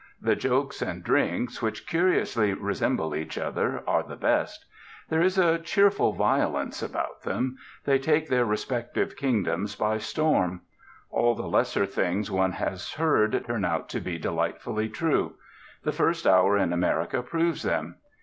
The jokes and drinks, which curiously resemble each other, are the best. There is a cheerful violence about them; they take their respective kingdoms by storm. All the lesser things one has heard turn out to be delightfully true. The first hour in America proves them.